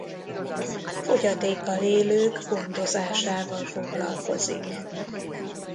Fogyatékkal élők gondozásával foglalkozik.